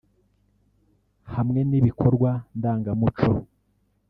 hamwe n’ibikorwa ndangamuco